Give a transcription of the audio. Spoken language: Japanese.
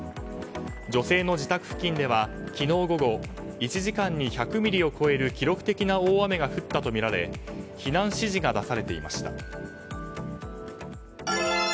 女性の自宅付近では昨日午後１時間に１００ミリを超える記録的な大雨が降ったとみられ避難指示が出されていました。